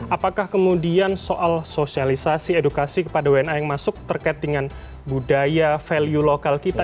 apakah kemudian soal sosialisasi edukasi kepada wna yang masuk terkait dengan budaya value lokal kita